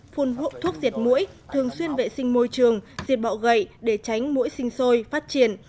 phun hụt thuốc diệt mũi thường xuyên vệ sinh môi trường diệt bọ gậy để tránh mũi sinh sôi phát triển